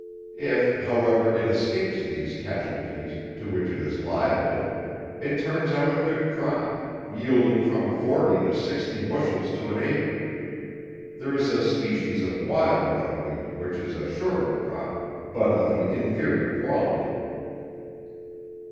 If, however, it escapes these casualties, to which it is liable, it turns out a good crop, yielding from forty to sixty bushels to an acre. There is a species of wild Buckwheat, which is a surer crop, but of an inferior quality.